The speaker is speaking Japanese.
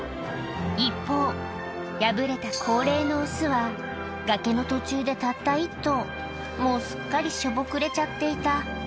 一方、敗れた高齢の雄は崖の途中でたった一頭、もうすっかりしょぼくれちゃっていた。